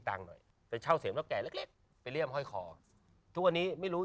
ตังค์หน่อยไปเช่าเสร็จพ่อแก่เล็กเล็กไปเลี่ยมห้อยคอทุกวันนี้ไม่รู้